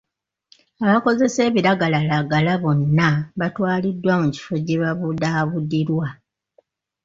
Abakozesa ebiragalalagala bonna baatwaliddwa mu kifo gye babudaabudirwa.